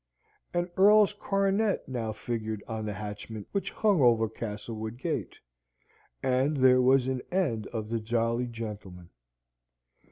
An earl's coronet now figured on the hatchment which hung over Castlewood gate and there was an end of the jolly gentleman.